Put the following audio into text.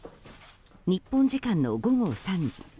日本時間の午後３時。